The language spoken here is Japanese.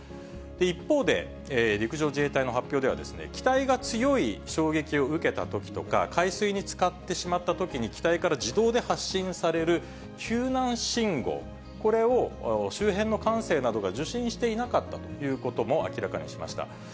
一方で、陸上自衛隊の発表では、機体が強い衝撃を受けたときとか海水につかってしまったときに、機体から自動で発信される救難信号、これを周辺の管制などが受信していなかったということも明らかにしました。